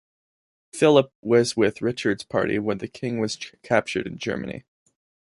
Philip was with Richard's party when the king was captured in Germany.